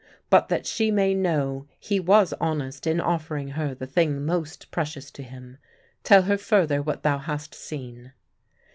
But that she may know he was honest in offering her the thing most precious to him, tell her further what thou hast seen."